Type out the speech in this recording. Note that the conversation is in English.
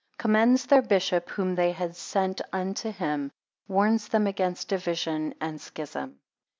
Commends their bishop, whom they had sent unto him, warns them against division and schism.